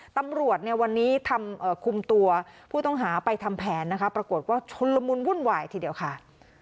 ตำรวจเนี่ยวันนี้ทำคุมตัวผู้ต้องหาไปทำแผนนะคะปรากฏว่าชุนละมุนวุ่นวายทีเดียวค่ะ